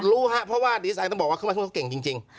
รู้ครับเพราะว่าดิสัยต้องบอกว่าเขาเก่งจริง